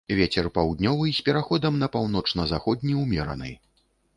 Вецер паўднёвы з пераходам на паўночна-заходні ўмераны.